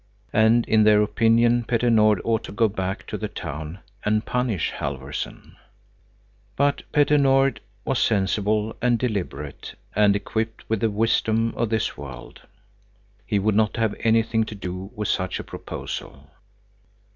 And in their opinion Petter Nord ought to go back to the town and punish Halfvorson. But Petter Nord was sensible and deliberate, and equipped with the wisdom of this world. He would not have anything to do with such a proposal.